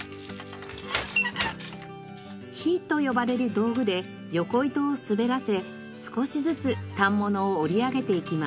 杼と呼ばれる道具で横糸を滑らせ少しずつ反物を織り上げていきます。